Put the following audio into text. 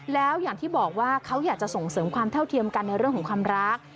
แล้วอย่างที่บอกว่าเขาอยากจะส่งเสริมความเท่าเทียมกันในเรื่องของความรัก